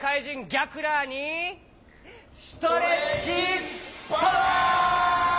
ギャクラーにストレッチパワー！